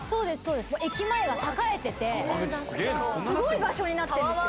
駅前が栄えててすごい場所になってるんですよ。